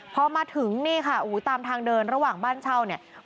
พอมาถึงนี่ค่ะโอ้โหตามทางเดินระหว่างบ้านเช่าเนี่ย